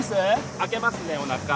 開けますねおなか